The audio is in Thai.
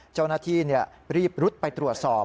เจ้าหน้าที่รีบรุดไปตรวจสอบ